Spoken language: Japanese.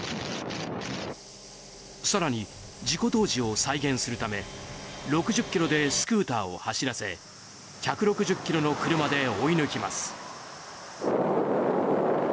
更に、事故当時を再現するため６０キロでスクーターを走らせ１６０キロの車で追い抜きます。